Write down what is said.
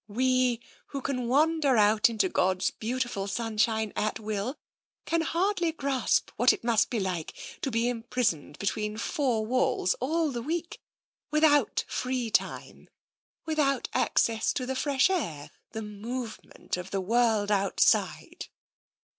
We, who can wander out into God's beautiful sunshine at will, can hardly grasp what it must be like to be imprisoned between four walls all the week, without free time, without access to the fresh air, the movement of the world outside.